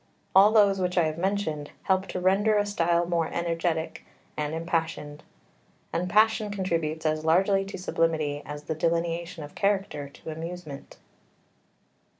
All those which I have mentioned help to render a style more energetic and impassioned; and passion contributes as largely to sublimity as the delineation of character to amusement.